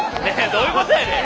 どういうことやねん！